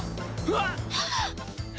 うわっ！